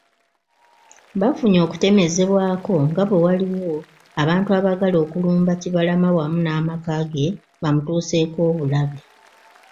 Bafunye okutemezebwako nga bwe waliwo abantu abaagala okulumba Kibalama wamu n'amakaage bamutuuseeko obulabe.